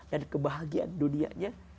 dan kebahagiaan dunianya